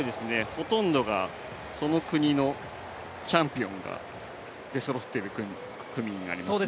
ほとんどがその国のチャンピオンが出そろっている組になりますね。